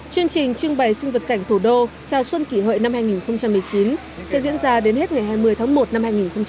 chương trình trưng bày sinh vật cảnh thủ đô trao xuân kỷ hội năm hai nghìn một mươi chín sẽ diễn ra đến hết ngày hai mươi tháng một năm hai nghìn một mươi chín